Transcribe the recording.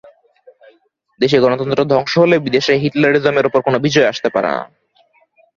দেশে গণতন্ত্র ধ্বংস হলে বিদেশে হিটলারিজমের ওপর কোনো বিজয় আসতে পারে না।